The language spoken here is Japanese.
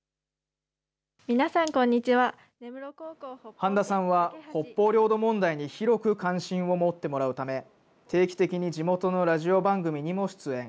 半田さんは、北方領土問題に広く関心を持ってもらうため、定期的に地元のラジオ番組にも出演。